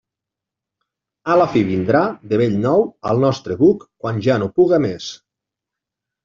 A la fi vindrà, de bell nou, al nostre buc, quan ja no puga més.